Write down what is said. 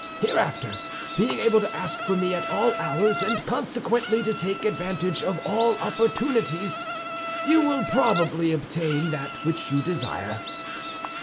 Hereafter, being able to ask for me at all hours, and consequently to take advantage of all opportunities, you will probably obtain that which you desire."